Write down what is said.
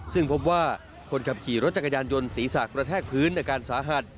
ซึ่งพบว่าคนขับขี่รถจักรยานยนต์ศีรษะกระแทกพื้นอาการสาหัส